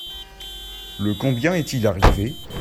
Le combien est-il arrivé ?